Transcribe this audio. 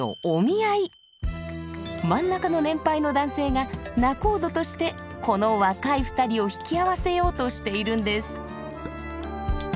真ん中の年配の男性が「仲人」としてこの若い２人を引き合わせようとしているんです。